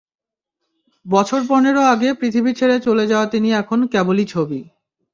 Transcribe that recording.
বছর পনেরো আগে পৃথিবী ছেড়ে চলে যাওয়া তিনি এখন কেবলই ছবি।